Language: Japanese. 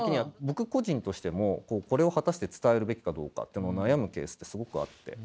僕個人としてもこれを果たして伝えるべきかどうかっていうのを悩むケースってすごくあって。